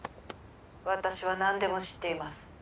私は何でも知っています。